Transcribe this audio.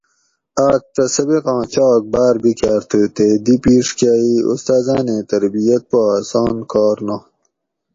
آۤک تہ سبقاں چاگ باۤر بِکھاۤر تھُو تے دی پیڛ کۤہ ای استاۤزاۤنیں تربیت پا اسان کار نات